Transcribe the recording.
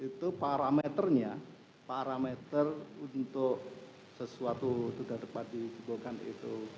itu parameternya parameter untuk sesuatu sudah dapat dijebolkan itu